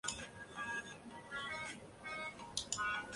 福岛氏由福岛忠胜的孙子正胜继嗣。